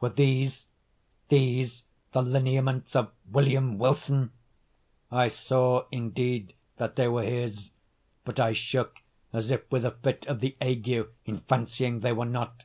Were these—these the lineaments of William Wilson? I saw, indeed, that they were his, but I shook as if with a fit of the ague in fancying they were not.